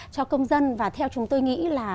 cho công dân và theo chúng tôi nghĩ là